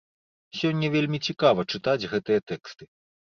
Сёння вельмі цікава чытаць гэтыя тэксты.